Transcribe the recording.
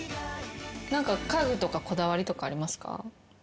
家具とかこだわりとかありますか？